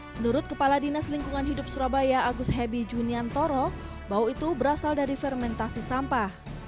menurut kepala dinas lingkungan hidup surabaya agus hebi juniantoro bau itu berasal dari fermentasi sampah